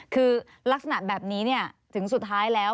คือลักษณะแบบนี้ถึงสุดท้ายแล้ว